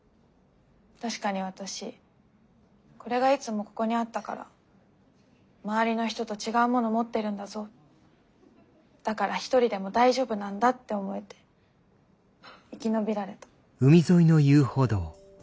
確かに私これがいつもここにあったから周りの人と違うもの持ってるんだぞだから一人でも大丈夫なんだって思えて生き延びられた。